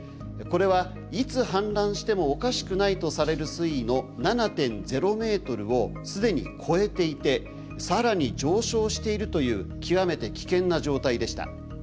これはいつ氾濫してもおかしくないとされる水位の７．０ｍを既に超えていて更に上昇しているという極めて危険な状態でした。